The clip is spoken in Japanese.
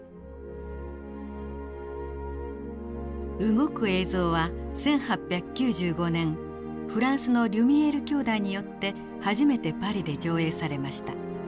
動く映像は１８９５年フランスのリュミエール兄弟によって初めてパリで上映されました。